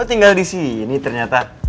kita tinggal di sini ternyata